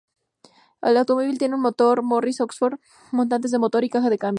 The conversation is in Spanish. El automóvil tenía un motor Morris Oxford, montantes del motor y caja de cambios.